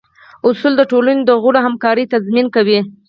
اصول د ټولنې د غړو همکارۍ تضمین کوي.